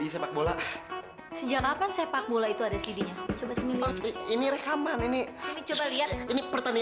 sampai jumpa lagi